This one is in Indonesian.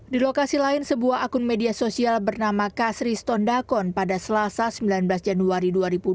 di lokasi lain sebuah akun media sosial bernama kasri stondakon pada selasa sembilan belas januari dua ribu dua puluh